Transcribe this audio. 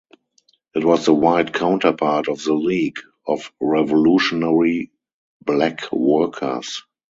It was the white counterpart of the League of Revolutionary Black Workers.